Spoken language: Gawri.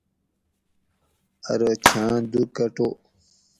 ارو چھاں دُو کۤٹو